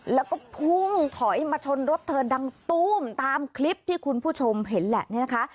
แล้วก็พุ่งถอยมาชนรถเธอดังตู้มตามคลิปที่คุณผู้ชมเห็นแหละเนี่ยนะคะ